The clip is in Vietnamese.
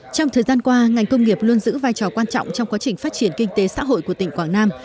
trong thời gian qua ngành công nghiệp luôn giữ vai trò quan trọng trong quá trình phát triển kinh tế xã hội của tỉnh quảng nam